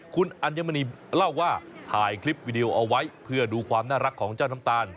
คุณอัญมณีเล่าว่าถ่ายคลิปวิดีโอเอาไว้เพื่อดูความน่ารักของเจ้าน้ำตาล